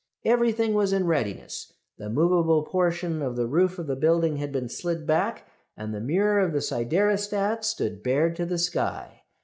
"Everything was in readiness. The movable portion of the roof of the building had been slid back, and the mirror of the siderostat stood bared to the sky.